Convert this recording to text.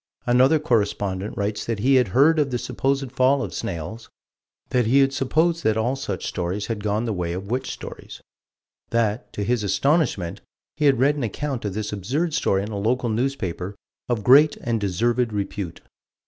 Another correspondent writes that he had heard of the supposed fall of snails: that he had supposed that all such stories had gone the way of witch stories; that, to his astonishment, he had read an account of this absurd story in a local newspaper of "great and deserved repute."